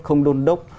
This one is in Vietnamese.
không đôn đốc